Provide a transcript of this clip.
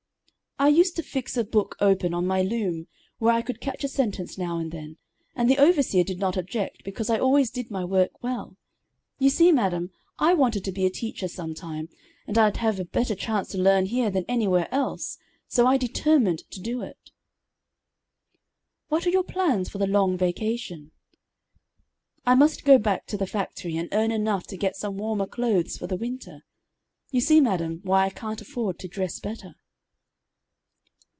"I used to fix a book open on my loom, where I could catch a sentence now and then, and the overseer did not object, because I always did my work well. You see, madam, I wanted to be a teacher sometime, and I'd have a better chance to learn here than anywhere else, so I determined to do it." "What are your plans for the long vacation?" "I must go back to the factory and earn enough to get some warmer clothes for the winter. You see, madam, why I can't afford to dress better."